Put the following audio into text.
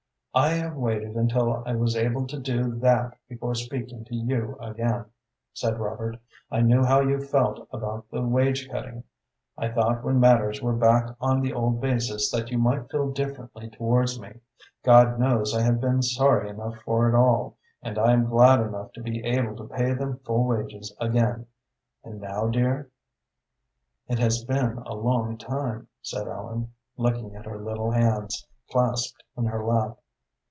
"I have waited until I was able to do that before speaking to you again," said Robert. "I knew how you felt about the wage cutting. I thought when matters were back on the old basis that you might feel differently towards me. God knows I have been sorry enough for it all, and I am glad enough to be able to pay them full wages again. And now, dear?" "It has been a long time," said Ellen, looking at her little hands, clasped in her lap.